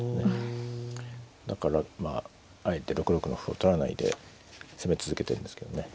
だからまああえて６六の歩を取らないで攻め続けてんですけどね。